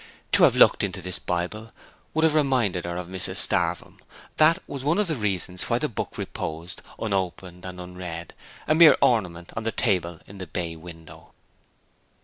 To have looked into this Bible would have reminded her of Mrs Starvem; that was one of the reasons why the book reposed, unopened and unread, a mere ornament on the table in the bay window.